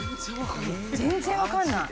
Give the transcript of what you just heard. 全然わかんない。